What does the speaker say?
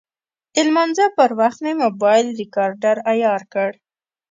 د لمانځه پر وخت مې موبایل ریکاډر عیار کړ.